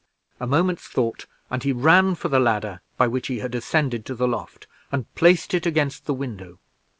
A moment's thought, and he ran for the ladder by which he had ascended to the loft, and placed it against the window.